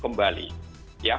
mereka harus kembali